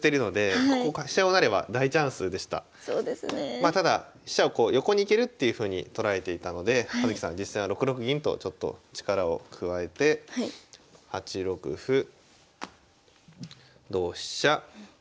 まあただ飛車を横に行けるっていうふうに捉えていたので葉月さん実戦は６六銀とちょっと力を加えて８六歩同飛車。